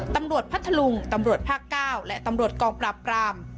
ตำรวจพระธลุงตำรวจภาคเก้าและตำรวจกองปราบกราม